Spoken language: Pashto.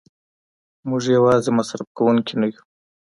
موږ یوازې مصرف کوونکي نه یو.